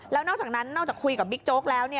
แล้วนอกจากนั้นนอกจากคุยกับบิ๊กโจ๊กแล้ว